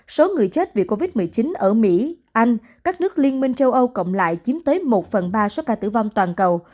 số người chết vì covid một mươi chín ở mỹ anh các nước liên minh châu âu cộng lại chiếm tới một phần ba số ca tử vong toàn cầu